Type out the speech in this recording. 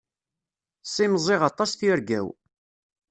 Ssimẓiɣ aṭas tirga-w.